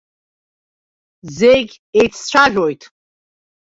Зегь еиццәажәоит.